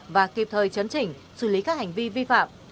và kịp thời chấn chỉnh xử lý các hành vi vi phạm